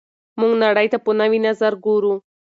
موږ نړۍ ته په نوي نظر ګورو.